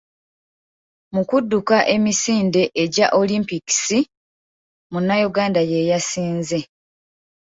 Mu kudduka emisinde egya Olimpikisi Munnayuganda ye yasinze.